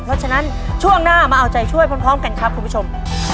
เพราะฉะนั้นช่วงหน้ามาเอาใจช่วยพร้อมกันครับคุณผู้ชม